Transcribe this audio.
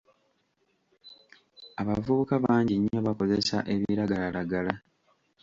Abavubuka bangi nnyo bakozesa ebiragalalagala.